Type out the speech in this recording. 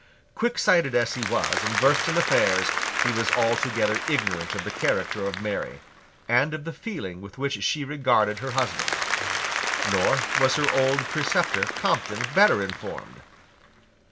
Quicksighted as he was and versed in affairs, he was altogether ignorant of the character of Mary, and of the feeling with which she regarded her husband; nor was her old preceptor, Compton, better informed.